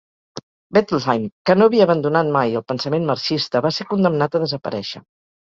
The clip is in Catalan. Bettelheim, que no havia abandonat mai el pensament marxista, va ser condemnat a desaparèixer.